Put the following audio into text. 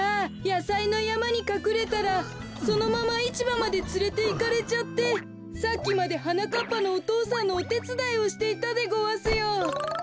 やさいのやまにかくれたらそのままいちばまでつれていかれちゃってさっきまではなかっぱのお父さんのおてつだいをしていたでごわすよ。